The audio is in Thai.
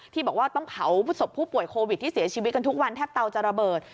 ที่บอกว่าต้องเผาศพผู้ป่วยโควิดที่เสียชีวิตกันทุกวันแทบเตาจะระเบิด